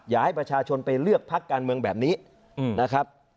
อยากให้ประชาชนไปเลือกพักการเมืองแบบนี้นะครับ